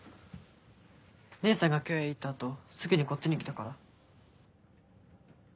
姉さんが京へ行った後すぐにこっちに来たから。